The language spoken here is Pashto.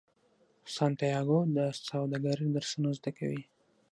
سانتیاګو د سوداګرۍ درسونه زده کوي.